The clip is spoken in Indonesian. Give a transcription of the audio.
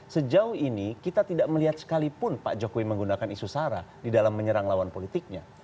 sejauh ini kita tidak melihat sekalipun pak jokowi menggunakan isu sara di dalam menyerang lawan politiknya